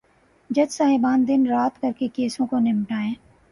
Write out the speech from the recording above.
جج صاحبان دن رات کر کے کیسوں کو نمٹائیں۔